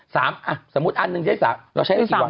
สมมุติอันนึงเราใช้ได้กี่วัน